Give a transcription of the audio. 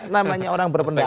namanya orang berpendapat